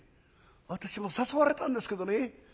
私も誘われたんですけどね